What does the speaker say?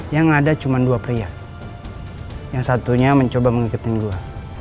yang ada cuma dua pria yang satunya mencoba mengikuti gua